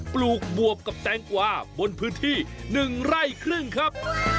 ปลูกบวบกับแตงกวาบนพื้นที่๑ไร่ครึ่งครับ